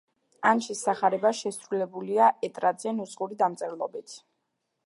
ანჩის სახარება შესრულებულია ეტრატზე, ნუსხური დამწერლობით.